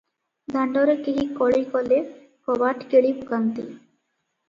ଦାଣ୍ଡରେ କେହି କଳି କଲେ କବାଟ କିଳି ପକାନ୍ତି ।